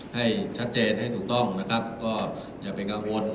ให้ชัดเจนให้ถูกต้องนะครับก็อย่าเป็นกังวล